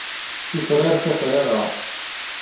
Tufrar tafrara.